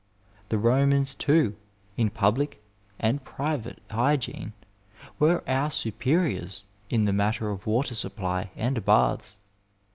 The Romans, too, in public and private hygiene, were our superiors in the matter of water supply and baths.